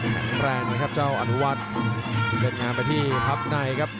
แข็งแรงนะครับเจ้าอนุวัฒน์เวียดงามไปที่ทับในครับ